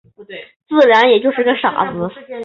自然也就是傻子了。